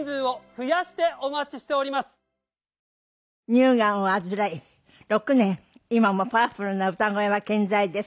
乳がんを患い６年今もパワフルな歌声は健在です。